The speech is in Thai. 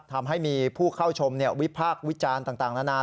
ทำให้มีผู้เข้าชมวิพากษ์วิจารณ์ต่างนานา